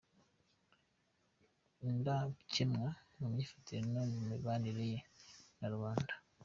indakemwa mu myifatire no mu mibanire ye n‟abandi;.